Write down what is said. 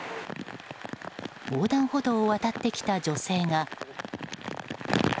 横断歩道を渡ってきた女性が。